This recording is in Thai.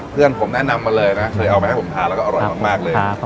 เพื่อนผมแนะนำมาเลยนะเคยเอามาให้ผมทานแล้วก็อร่อยมากเลย